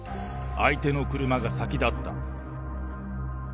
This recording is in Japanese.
相手の車が先だった。